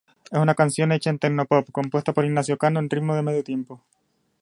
Es una canción hecha en tecno-pop, compuesta por Ignacio Cano en ritmo de medio-tiempo.